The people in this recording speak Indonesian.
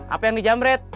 apa yang dijamret